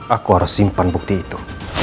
aku harus simpan bukti itu